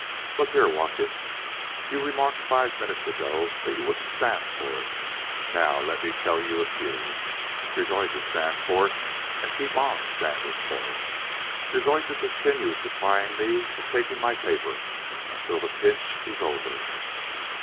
Look here, Watkins, you remarked five minutes ago that you wouldn't stand for it. Now let me tell you a few. You're going to stand for it and keep on standin's for it. You're going to continue supplying me and taking my paper until the pinch is over.